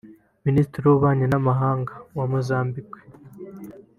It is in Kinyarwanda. Minisitiri w’Ububanyi n’Amahanga wa Mozambique